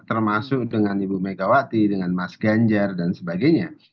termasuk dengan ibu megawati dengan mas ganjar dan sebagainya